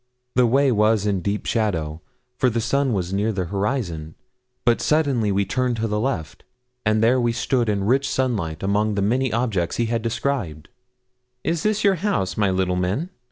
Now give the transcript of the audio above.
The way was in deep shadow, for the sun was near the horizon; but suddenly we turned to the left, and there we stood in rich sunlight, among the many objects he had described. 'Is this your house, my little men?'